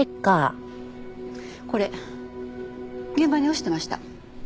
これ現場に落ちてました。